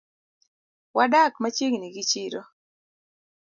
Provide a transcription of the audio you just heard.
Wadak machiegni gi chiro